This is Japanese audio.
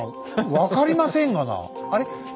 分かりませんがな！